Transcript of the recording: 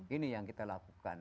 ini yang kita lakukan